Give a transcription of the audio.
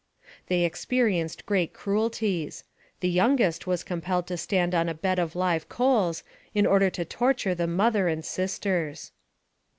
They experienced great cruelties. The youngest was compelled to stand on a bed of live coals, in order to torture the mother and sisters.